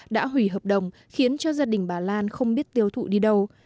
đã hủy hợp đồng khiến cho gia đình bà lan không biết tiêu thụ đi đâu